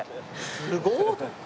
すごっ！